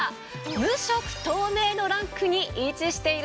無色透明のランクに位置しているんです。